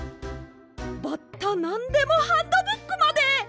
「バッタなんでもハンドブック」まで！